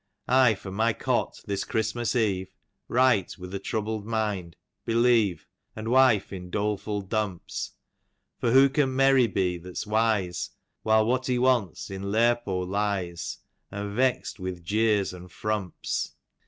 I from my cot, this Christmas eve, Write with a troubled mind, ... believe, And wife in doleful dumps For who can merry be, that's wise. While what he wants in Lerpo lies, And vexed with jeers and frumps?